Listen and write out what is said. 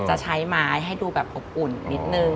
จะใช้ไม้ให้ดูแบบอบอุ่นนิดนึง